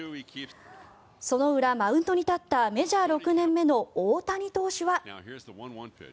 その裏、マウンドに立ったメジャー６年目の大谷投手は。